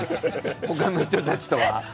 他の人たちとは。